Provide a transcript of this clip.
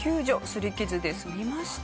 擦り傷で済みました。